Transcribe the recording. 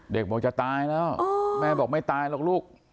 เด็กบอกจะตายแล้วแม่บอกไม่ตายหรอกลูก